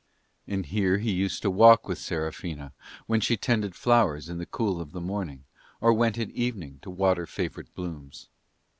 And here he used to walk with Serafina when she tended flowers in the cool of the morning or went at evening to water favourite blooms.